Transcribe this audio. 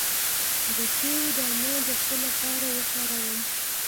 د کیوي دانه د څه لپاره وکاروم؟